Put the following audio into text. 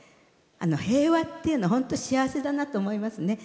平和っていうの本当、幸せだなと思います。